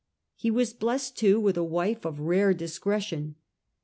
He was blessed too with a wife of rare discretion.